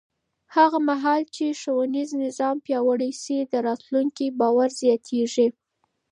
هغه مهال چې ښوونیز نظام پیاوړی شي، د راتلونکي باور زیاتېږي.